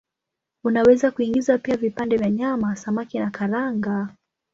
Unaweza kuingiza pia vipande vya nyama, samaki na karanga.